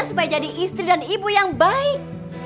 supaya jadi istri dan ibu yang baik